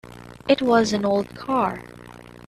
It was an old car.